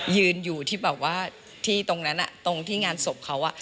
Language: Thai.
ยืนอยู่ที่ตรงนั้นตรงที่งานศพเขา